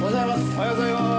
おはようございまーす。